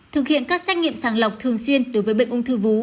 thực hiện các xét nghiệm sàng lọc thường xuyên đối với bệnh ung thư vú